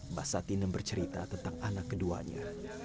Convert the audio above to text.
mbah satinem bercerita tentang anak keduanya